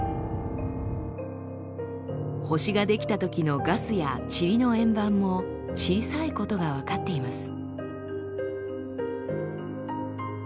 星が出来たときのガスや塵の円盤も小さいことが分かっています。